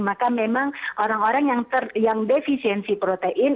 maka memang orang orang yang defisiensi protein